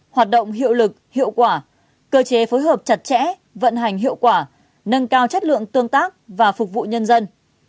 hoạt động hiệu lực hiệu quả cơ chế phối hợp chặt chẽ vận hành hiệu quả nâng cao chất lượng tương tác và phục vụ nhân dân